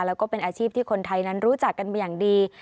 แล้วก็เป็นอาชีพที่คนไทยนั้นรู้จักกันมาอย่างดี